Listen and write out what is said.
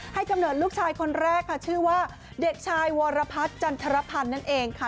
กำเนิดลูกชายคนแรกค่ะชื่อว่าเด็กชายวรพัฒน์จันทรพันธ์นั่นเองค่ะ